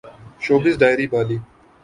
showbiz diary Bali